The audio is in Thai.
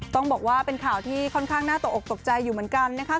ต้องบอกว่าเป็นข่าวที่ค่อนข้างน่าตกออกตกใจอยู่เหมือนกันนะคะ